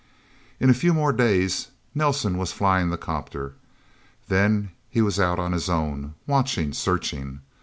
In a few more days, Nelsen was flying the 'copter. Then he was out on his own, watching, searching.